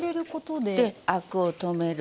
でアクを止める。